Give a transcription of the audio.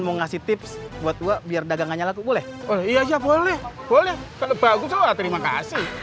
mau ngasih tips buat gua biar dagang dagangnya laku boleh boleh iya boleh boleh boleh boleh